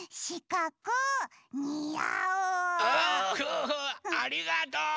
おありがとう！